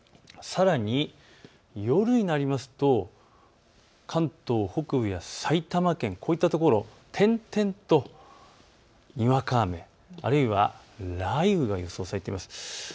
さらに夜になりますと関東北部や埼玉県、こういったところは、点々とにわか雨、あるいは雷雨が予想されています。